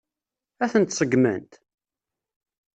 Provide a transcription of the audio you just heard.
Ad tent-seggment?